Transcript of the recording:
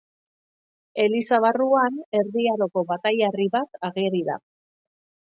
Eliza barruan Erdi Aroko bataiarri bat ageri da.